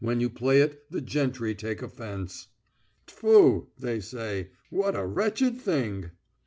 When you play it the gentry take offence. 'Tfu,' they say, 'what a wretched thing!'